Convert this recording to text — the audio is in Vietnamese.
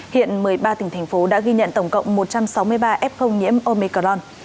hiện một mươi ba tỉnh thành phố đã ghi nhận tổng cộng một trăm sáu mươi ba f nhiễm omicron